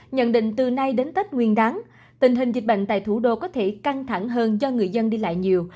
nhận định từ nay đến tết nguyên đáng tình hình dịch bệnh tại thủ đô có thể căng thẳng hơn cho người dân đi lại nhiều